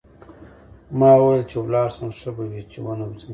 ما وویل چې ولاړ شم ښه به وي چې ونه ځم.